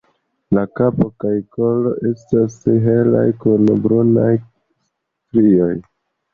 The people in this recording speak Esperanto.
La kapo kaj kolo estas helaj kun brunaj strioj.